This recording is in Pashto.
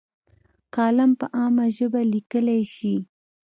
کالم په عامه ژبه لیکلی شي.